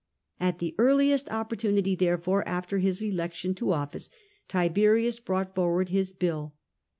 At the earliest opportunity, therefore, after his election to office, Tiberius brought forward his bill.